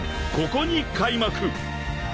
ここに開幕！］